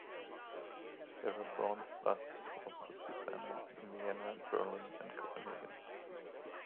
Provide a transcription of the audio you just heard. There are bronze busts of the "Susanna" in Vienna, Berlin, and Copenhagen.